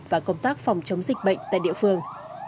và công tác phòng chống dịch bệnh tại địa phương